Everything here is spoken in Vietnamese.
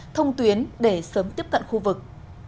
thông tuyến để sớm tiếp cận khu vực